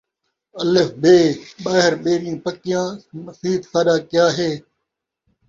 الف، ب، ٻاہر ٻیریں پکیاں، مسیت ساݙا کیا ہے